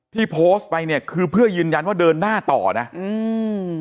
ที่โพสต์ไปเนี่ยคือเพื่อยืนยันว่าเดินหน้าต่อนะอืม